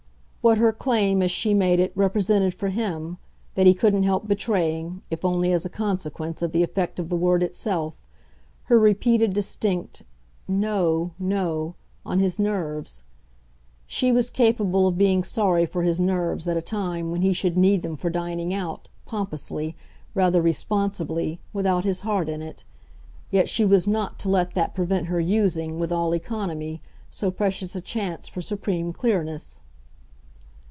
What her claim, as she made it, represented for him that he couldn't help betraying, if only as a consequence of the effect of the word itself, her repeated distinct "know, know," on his nerves. She was capable of being sorry for his nerves at a time when he should need them for dining out, pompously, rather responsibly, without his heart in it; yet she was not to let that prevent her using, with all economy, so precious a chance for supreme clearness.